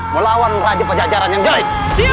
melawan rajap pejajaran yang jahit